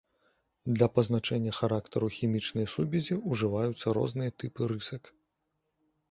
Для пазначэння характару хімічнай сувязі ўжываюцца розныя тыпы рысак.